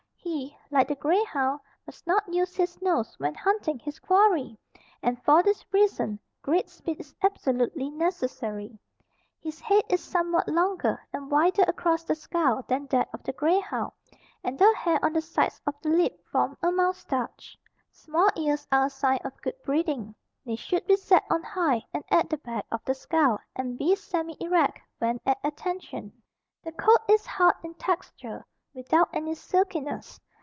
He, like the grey hound must not use his nose when hunting his quarry and for this reason great speed is absolutely necessary. His head is somewhat longer and wider across the skull than that of the grey hound and the hair on the sides of the lip form a mustache. Small ears are a sign of good breeding. They should be set on high and at the back of the skull and be semi erect when at attention. The coat is hard in texture, without any silkiness.